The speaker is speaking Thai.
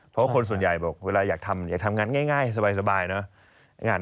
เพราะคนส่วนใหญ่บอกเวลาอยากทำงานง่ายสบายเนอะ